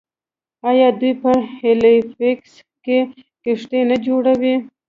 آیا دوی په هیلیفیکس کې کښتۍ نه جوړوي؟